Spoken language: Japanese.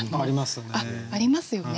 ありますね。